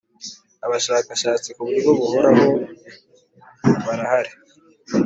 Abashakashatsi ku buryo buhoraho barahari.